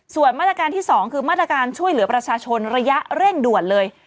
ส่วนมาตรการที่๒คือมาตรการช่วยเหลือประชาชนระยะเร่งด่วนเลย